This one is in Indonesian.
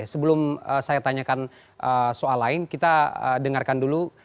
sebelum saya tanyakan soal lain kita dengarkan dulu